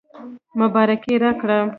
مبارکي راکړه.